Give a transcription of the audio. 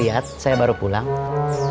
ya udah sheik try sofa itu